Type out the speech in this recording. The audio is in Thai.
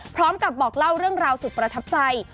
พร้อมกับบอกเล่าเรื่องราวสุดประทับใจ